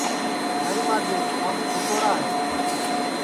نائی ماجے ساٻو کُھٹوڑا ہے